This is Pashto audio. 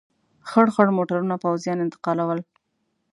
خړ خړ موټرونه پوځیان انتقالول.